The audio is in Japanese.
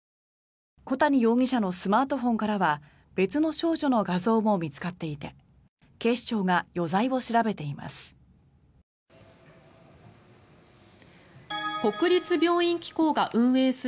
小谷容疑者のスマートフォンからは別の少女の画像も見つかっていて警視庁が余罪を調べています。